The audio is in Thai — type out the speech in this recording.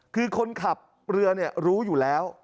คือคนขับเรือรู้อยู่แล้ว